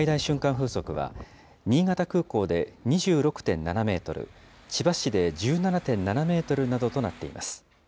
風速は、新潟空港で２６．７メートル、千葉市で１７．７メートルなどとなっています。